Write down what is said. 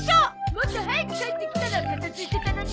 もっと早く帰ってきたら片づいてたのに！